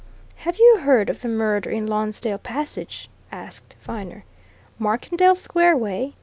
"Have you heard of the murder in Lonsdale Passage?" asked Viner. "Markendale Square way?